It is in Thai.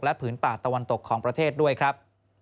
ผืนป่าตะวันตกของประเทศด้วยครับ